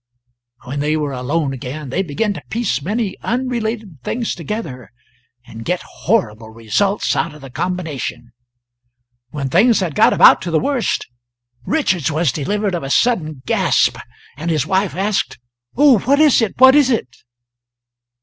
When they were alone again they began to piece many unrelated things together and get horrible results out of the combination. When things had got about to the worst Richards was delivered of a sudden gasp and his wife asked: "Oh, what is it? what is it?"